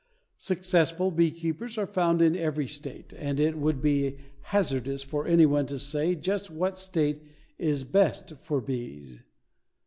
Successful beekeepers are found in every state, and it would be hazardous for anyone to say just what state is best for bees.